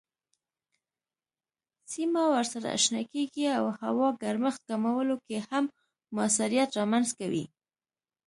سیمه ورسره شنه کیږي او هوا ګرمښت کمولو کې هم موثریت رامنځ کوي.